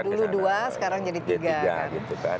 dulu dua sekarang jadi tiga kan